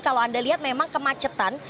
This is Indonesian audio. kalau anda lihat memang kemacetan